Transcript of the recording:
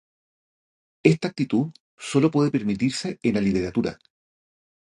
Esta actitud solo puede permitirse en la literatura.